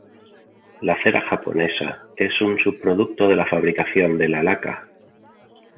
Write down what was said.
La cera japonesa es un subproducto de la fabricación de la laca.